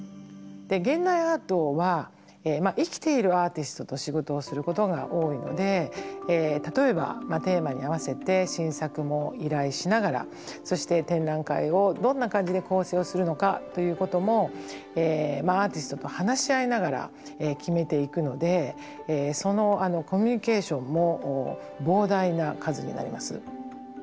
現代アートは生きているアーティストと仕事をすることが多いので例えばテーマに合わせて新作も依頼しながらそして展覧会をどんな感じで構成をするのかということもアーティストと話し合いながら決めていくのでそのコミュニケーションも膨大な数になります。